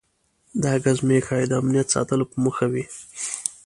دا ګزمې ښایي د امنیت ساتلو په موخه وي.